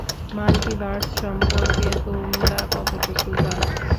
Multiverse সম্পর্কে তোমরা কতটুকু জানো?